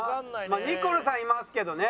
まあニコルさんいますけどね。